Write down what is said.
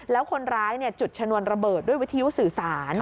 แล้วคนร้ายจุดชนวนระเบิดด้วยวิทยุสื่อสาร